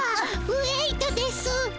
ウェイトです！